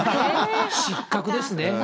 失格ですね。